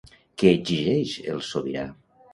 Què exigeix el sobirà?